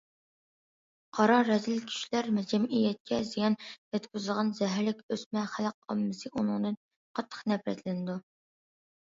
قارا، رەزىل كۈچلەر جەمئىيەتكە زىيان يەتكۈزىدىغان زەھەرلىك ئۆسمە، خەلق ئاممىسى ئۇنىڭدىن قاتتىق نەپرەتلىنىدۇ.